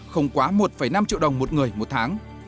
không quá một năm triệu đồng một người một tháng